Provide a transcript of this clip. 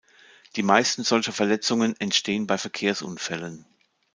Die meisten solcher Verletzungen entstehen bei Verkehrsunfällen.